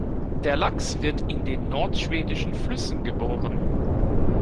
Der Lachs wird in den nordschwedischen Flüssen geboren.